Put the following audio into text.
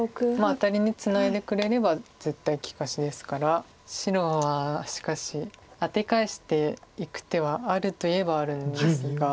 アタリにツナいでくれれば絶対利かしですから白はしかしアテ返していく手はあるといえばあるんですが。